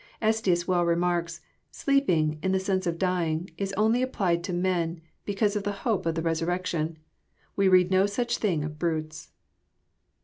Estius well remarks, " Sleeping, in the sense of dying, is only applied to men, because of the hope of the resurrection. We read no such thing of brutes."